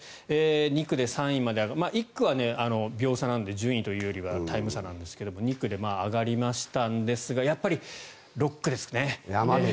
２区で３位まで上がって１区は秒差なんで順位というよりタイム差なんですが２区で上がりましたのですがやっぱり６区ですね。